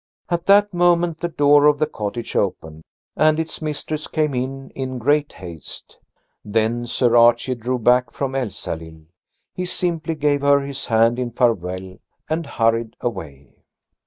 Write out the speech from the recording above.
At that moment the door of the cottage opened, and its mistress came in in great haste. Then Sir Archie drew back from Elsalill. He simply gave her his hand in farewell and hurried away.